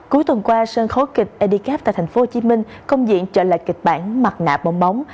cuối tuần qua sân khấu kịch adcap tại tp hcm công diện trở lại kịch bản mặt nạ bông bóng